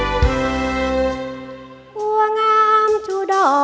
สมาธิพร้อมครับ